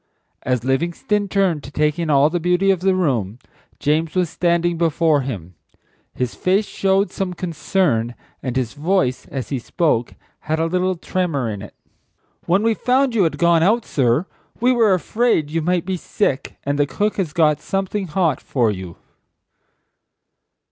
As Livingstone turned to take in all the beauty of the room, James was standing before him. His face showed some concern, and his voice, as he spoke, had a little tremor in it. "When we found you had gone out, sir, we were afraid you might be sick, and the cook has got something hot for you?"